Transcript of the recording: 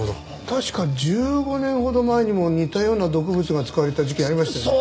確か１５年ほど前にも似たような毒物が使われた事件ありましたよね？